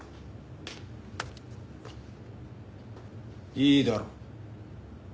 いいだろう。